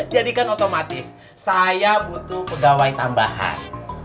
jadi kan otomatis saya butuh pegawai tambahan